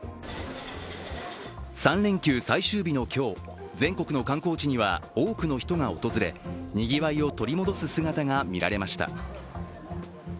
３連休最終日の今日、全国の観光地には多くの人が訪れ、にぎわいを取り戻す姿が見られました。